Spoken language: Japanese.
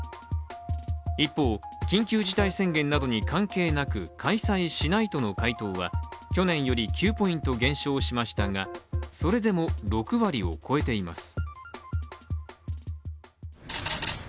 一方、緊急事態宣言などに関係なく、開催しないとの回答は去年より９ポイント減少しましたが、それでも６割を超えています。